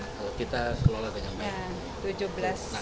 kalau kita kelola dengan baik